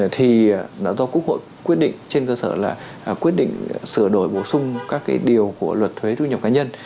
thì đã do quốc hội quyết định trên cơ sở là quyết định sửa đổi bổ sung các cái điều của luật thuế thu nhập cá nhân